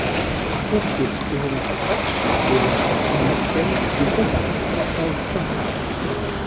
Confié au général Patch de la américaine, il comporte trois phases principales.